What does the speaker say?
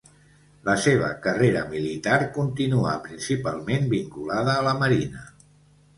La seva carrera militar continuà principalment vinculada a la Marina.